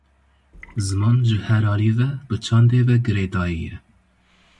Ziman ji her alî ve bi çandê ve girêdayî ye.